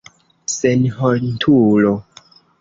Senhontulo!